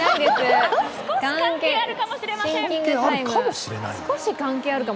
少し関係あるかもしれません。